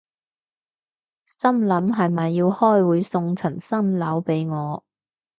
心諗係咪要開會送層新樓畀我